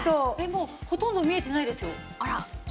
もうほとんど見えてないですよ。